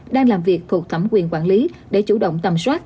đang làm việc thuộc thẩm quyền quản lý để chủ động tầm soát